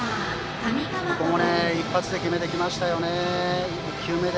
ここも一発で決めてきましたね。